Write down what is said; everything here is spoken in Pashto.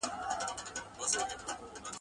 جهاني به کله یاد سي په نغمو کي په غزلو !.